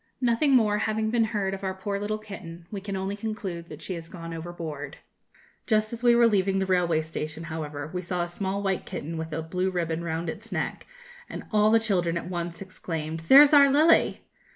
Nothing more having been heard of our poor little kitten, we can only conclude that she has gone overboard. Just as we were leaving the railway station, however, we saw a small white kitten with a blue ribbon round its neck; and all the children at once exclaimed, 'There's our Lily!'